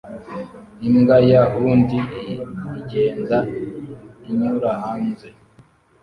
imbwa ya hound igenda inyura hanze